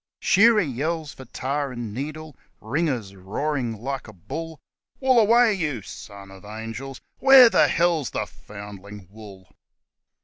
Shearer yells for tar and needle. Ringer's roaring like a bull : 1 Wool away, you (son of angels). Where the hell's the (foundling) WOOL